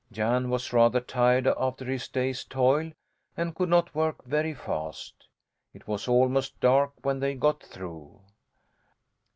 Jan was rather tired after his day's toil and could not work very fast. It was almost dark when they got through.